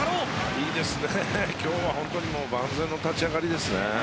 いいですね、今日は本当に万全の立ち上がりですね。